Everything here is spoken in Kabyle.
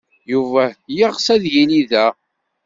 Yuba yeɣs ad yili da.